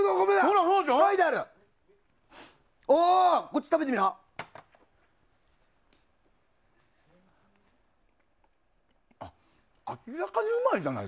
こっち食べてみな。